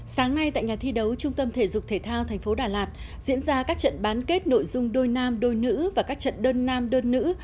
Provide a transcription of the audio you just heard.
sáng nay tại nhà thi đấu trung tâm thể dục thể thao tp đà lạt diễn ra các trận bán kết nội dung đôi nam đôi nữ và các trận đơn nam đơn nữ